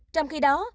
trong khi đó